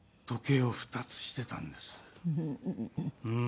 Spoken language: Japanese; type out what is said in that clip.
うん。